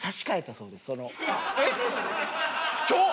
えっ！今日？